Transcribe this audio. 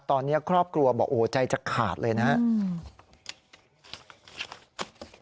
ตอนนี้ครอบครัวบอกโอ้โหใจจะขาดเลยนะครับ